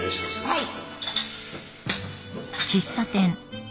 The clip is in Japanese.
はい